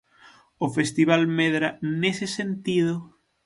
O festival medra, nese sentido?